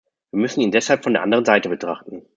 Wir müssen ihn deshalb von der anderen Seite betrachten.